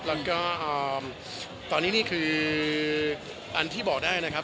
แล้วก็ตอนนี้นี่คืออันที่บอกได้นะครับ